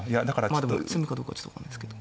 でも詰むかどうかはちょっと分からないですけど。